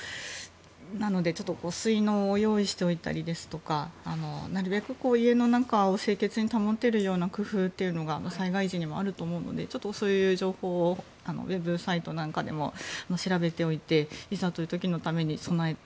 なので、水のうを用意しておいたりですとかなるべく家の中を清潔に保てるような工夫というのが災害時にはあると思うのでそういう情報をウェブサイトなんかでも調べておいていざという時のために備えて。